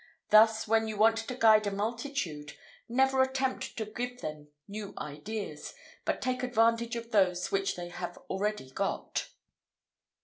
Thus, when you want to guide a multitude, never attempt to give them new ideas, but take advantage of those which they have already got."